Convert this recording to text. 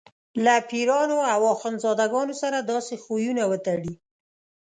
له پیرانو او اخندزاده ګانو سره داسې خویونه وتړي.